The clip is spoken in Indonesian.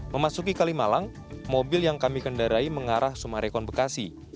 memasuki kalimalang mobil yang kami kendarai mengarah sumarekon bekasi